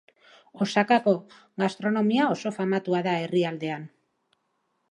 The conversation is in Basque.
Osakako gastronomia oso famatua da herrialdean.